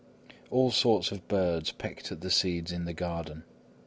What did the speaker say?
All sorts of birds pecked at the seeds in the garden.